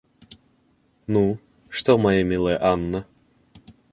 Ну, что моя милая Анна?